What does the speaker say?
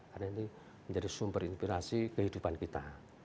karena ini menjadi sumber inspirasi kehidupan kita